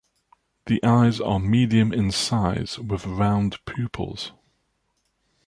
The eyes are medium in size with round pupils.